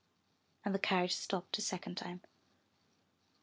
and the carriage stopped a second time.